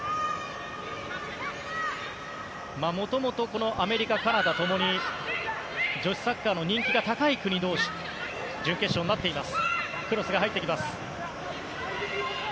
もともとアメリカ、カナダともに女子サッカーの人気が高い国同士の準決勝になっています。